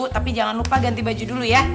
tapi jangan lupa ganti baju dulu ya